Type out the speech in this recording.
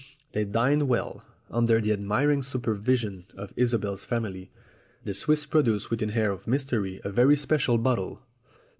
They dined well, under the admiring supervision of Isobel's family. The Swiss produced with an air of mystery a very special bottle.